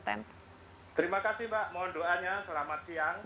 terima kasih mbak mohon doanya selamat siang